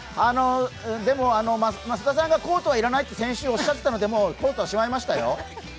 でも増田さんがコートは要らないと先週おっしゃったのでもうコートはしまいましたよ。